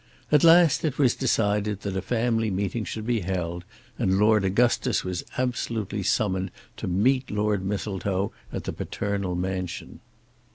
At last it was decided that a family meeting should be held, and Lord Augustus was absolutely summoned to meet Lord Mistletoe at the paternal mansion.